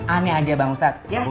aneh aja bang ustadz